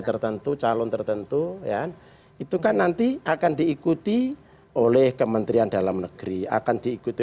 tertentu calon tertentu ya itu kan nanti akan diikuti oleh kementerian dalam negeri akan diikuti